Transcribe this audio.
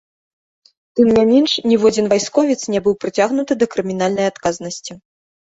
Тым не менш, ніводзін вайсковец не быў прыцягнуты да крымінальнай адказнасці.